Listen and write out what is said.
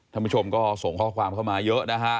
ท่านผู้ชมก็ส่งข้อความเข้ามาเยอะนะฮะ